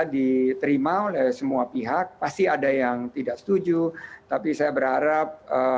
diterima oleh semua pihak pasti ada yang tidak setuju tapi saya berharap